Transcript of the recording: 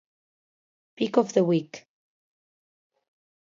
Pick of the Week".